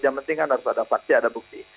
yang penting kan harus ada saksi ada bukti